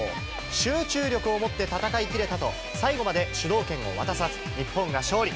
集中力を持って戦いきれたと、最後まで主導権を渡さず、日本が勝利。